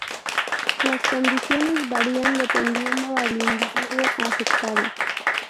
Las condiciones varían dependiendo del individuo afectado.